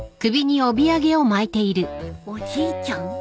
おじいちゃん。